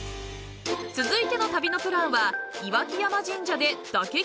［続いての旅のプランは］